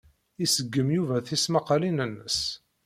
Iṣeggem Yuba tismaqqalin-nnes.